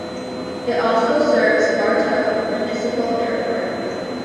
It also serves Bartow Municipal Airport.